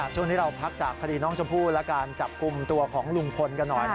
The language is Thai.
ช่วงนี้เราพักจากคดีน้องชมพู่และการจับกลุ่มตัวของลุงพลกันหน่อย